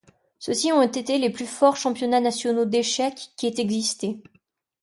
Ceux-ci ont été les plus forts championnats nationaux d'échecs qui aient existé.